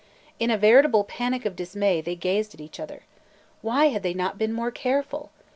In a veritable panic of dismay, they gazed at each other. Why had they not been more careful?